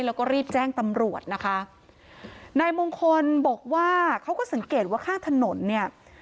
แล้วก็รีบแจ้งตำรวจนะคะนายมงคลบอกว่าเขาก็สังเกตว่าข้างถนนเนี่ย